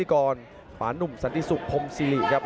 ขอบคุณครับ